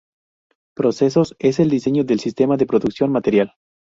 Procesos es el diseño del sistema de producción material.